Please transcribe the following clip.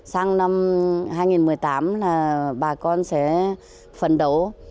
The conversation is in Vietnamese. sang năm hai nghìn một mươi tám là bà con sẽ phần đấu